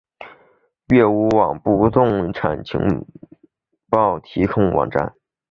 乐屋网为不动产情报提供网站。